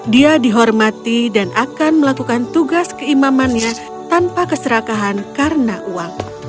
dia dihormati dan akan melakukan tugas keimamannya tanpa keserakahan karena uang